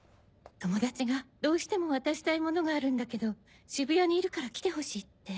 友達がどうしても渡したいものがあるんだけど渋谷にいるから来てほしいって。